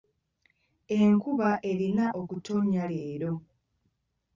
Enkuba erina okutonnya leero.